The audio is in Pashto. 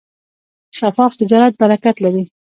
شفاف تجارت برکت لري.